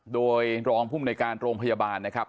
โดยรองภูมิในการโรงพยาบาลนะครับ